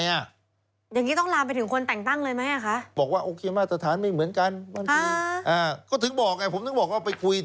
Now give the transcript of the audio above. อย่างนี้ต้องลาไปถึงคนแต่งตั้งเลยไหมคะ